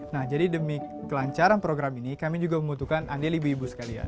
nah jadi demi kelancaran program ini kami juga membutuhkan andil ibu ibu sekalian